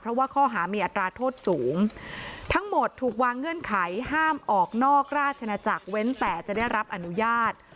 เพราะว่าข้อหามีอัตราโทษสูงทั้งหมดถูกวางเงื่อนไขห้ามออกนอกราชนาจักรเว้นแต่จะได้รับอนุญาต